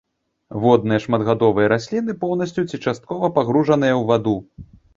Водныя шматгадовыя расліны, поўнасцю ці часткова пагружаныя ў ваду.